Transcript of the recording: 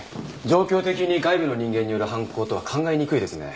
状況的に外部の人間による犯行とは考えにくいですね。